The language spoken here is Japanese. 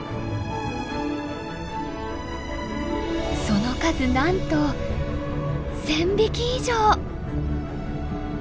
その数なんと１，０００匹以上！